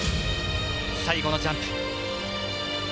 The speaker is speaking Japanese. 最後のジャンプ。